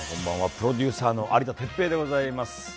プロデューサーの有田哲平でございます。